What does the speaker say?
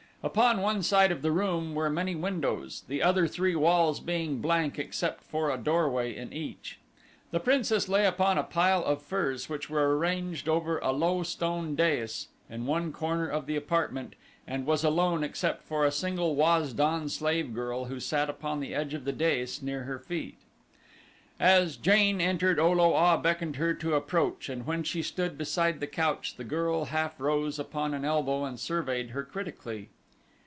Upon one side of the room were many windows, the other three walls being blank except for a doorway in each. The princess lay upon a pile of furs which were arranged over a low stone dais in one corner of the apartment and was alone except for a single Waz don slave girl who sat upon the edge of the dais near her feet. As Jane entered O lo a beckoned her to approach and when she stood beside the couch the girl half rose upon an elbow and surveyed her critically.